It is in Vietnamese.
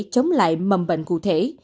chống lại mầm bệnh cụ thể